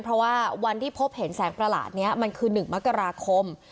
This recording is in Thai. เพราะว่าวันที่พบเห็นแสงประหลาดนี้มันคือ๑มกราคม